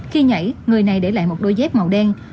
khi nhảy người này để lại một đôi dép màu đen